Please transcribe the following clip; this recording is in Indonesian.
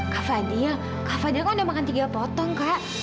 kak fadil kak fadil kok udah makan tiga potong kak